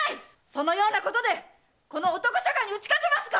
そのようなことでこの男社会に打ち勝てますか！